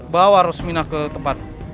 bawa rosmina ke tempat